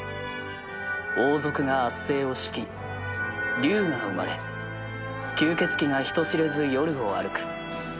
王族が圧政を敷き竜が生まれ吸血鬼が人知れず夜を歩く。